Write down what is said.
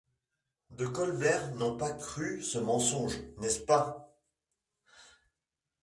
de Colbert n'ont pas cru ce mensonge, n'est-ce pas ?